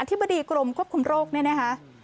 อธิบดีกรมควบคุมโรคนี่นะครับ